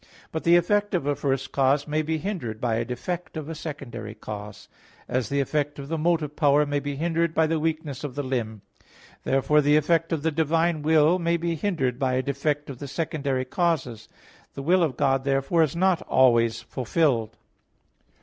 But the effect of a first cause may be hindered by a defect of a secondary cause; as the effect of the motive power may be hindered by the weakness of the limb. Therefore the effect of the divine will may be hindered by a defect of the secondary causes. The will of God, therefore, is not always fulfilled.